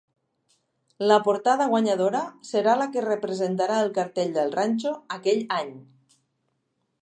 La portada guanyadora serà la que representarà el cartell del Ranxo aquell any.